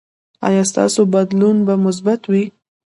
ایا ستاسو بدلون به مثبت وي؟